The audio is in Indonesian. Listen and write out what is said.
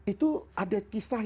itu ada kisah